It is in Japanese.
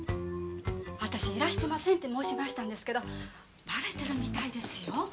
私「いらしてません」って申しましたんですけどバレてるみたいですよ。